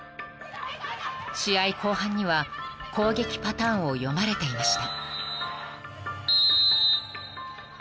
［試合後半には攻撃パターンを読まれていました］